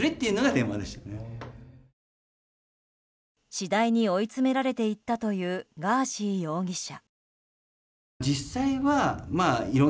次第に追い詰められていったというガーシー容疑者。